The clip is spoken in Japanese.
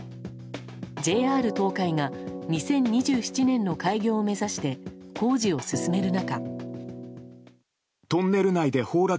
ＪＲ東海が２０２７年の開業を目指して工事を進める中。